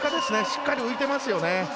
しっかり浮いてますよね。